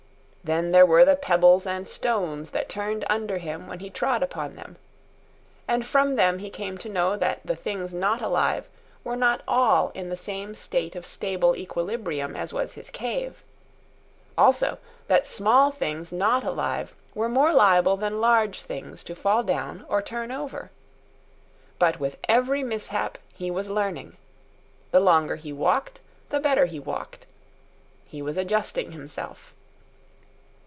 Then there were the pebbles and stones that turned under him when he trod upon them; and from them he came to know that the things not alive were not all in the same state of stable equilibrium as was his cave—also, that small things not alive were more liable than large things to fall down or turn over. But with every mishap he was learning. The longer he walked, the better he walked. He was adjusting himself.